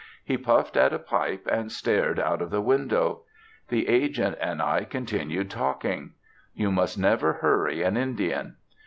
He puffed at a pipe and stared out of the window. The agent and I continued talking. You must never hurry an Indian.